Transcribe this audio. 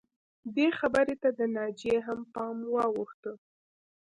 دې خبرې ته د ناجیې هم پام واوښته